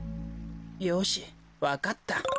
よしわかった。